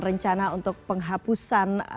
rencana untuk penghapusan